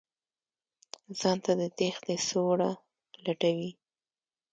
ځان ته د تېښتې سوړه لټوي.